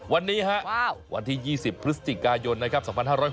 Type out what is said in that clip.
วันนี้ฮะวันที่๒๐พฤศจิกายนครับ๒๕๖๑